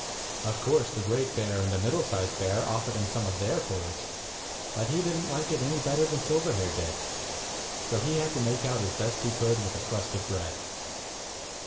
Of course the great bear and the middle sized bear offered him some of their porridge, but he did n't like it any better than Silverhair did, so he had to make out as best he could with a crust of bread.